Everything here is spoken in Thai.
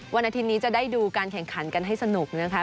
วันอาทิตย์นี้จะได้ดูการแข่งขันกันให้สนุกนะคะ